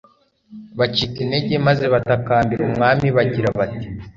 bacika intege maze batakambira umwami bagira bati